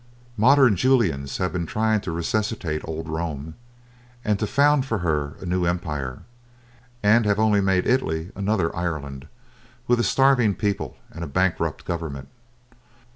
Modern Julians have been trying to resuscitate old Rome, and to found for her a new empire, and have only made Italy another Ireland, with a starving people and a bankrupt government.